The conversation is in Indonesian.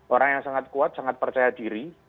orang yang sangat kuat sangat percaya diri